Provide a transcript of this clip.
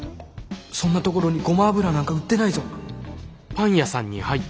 そんなところにゴマ油なんか売ってないぞ。